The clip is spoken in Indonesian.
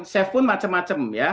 chef pun macam macam ya